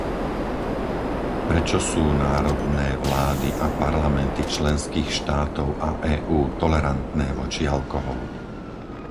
Prečo sú národné vlády a parlamenty členských štátov a EÚ tolerantné voči alkoholu?